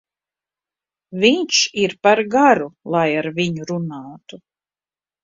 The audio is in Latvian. Viņš ir par garu, lai ar viņu runātu.